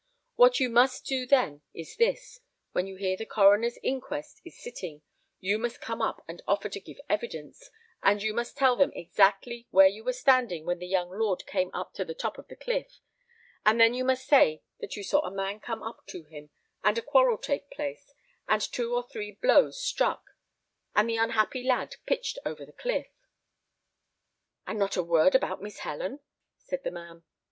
What you must do then is this: when you hear that the coroner's inquest is sitting, you must come up and offer to give evidence; and you must tell them exactly where you were standing when the young lord came up to the top of the cliff; and then you must say that you saw a man come up to him, and a quarrel take place, and two or three blows struck, and the unhappy lad pitched over the cliff." "And not a word about Miss Helen?" said the man.